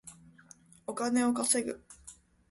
お金を稼ぐ